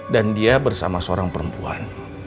dan dia bersama seorang perempuan